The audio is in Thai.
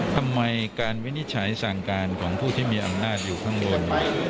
ทำไมการวินิจฉัยสั่งการของผู้ที่มีอำนาจอยู่ข้างบน